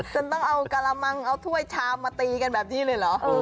จนต้องเอากระมังเอาถ้วยชามมาตีกันแบบนี้เลยเหรอ